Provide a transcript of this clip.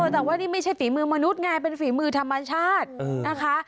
แต่ว่านี่ไม่ใช่ฝีมือมนุษย์ไงเป็นฝีมือธรรมชาตินะคะ